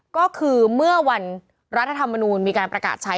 ก็คือเมื่อวันรัฐธรรมนูลมีการประกาศใช้